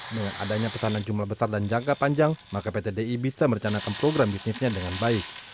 dengan adanya pesanan jumlah besar dan jangka panjang maka pt di bisa merencanakan program bisnisnya dengan baik